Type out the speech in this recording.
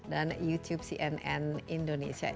dan youtube cnn indonesia